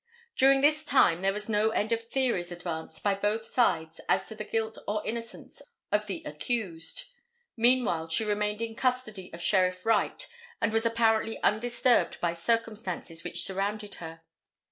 During this time there was no end of theories advanced by both sides as to the guilt or innocence of the accused. Meanwhile she remained in custody of Sheriff Wright and was apparently undisturbed by circumstances which surrounded her.